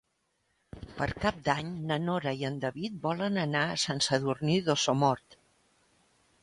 Per Cap d'Any na Nora i en David volen anar a Sant Sadurní d'Osormort.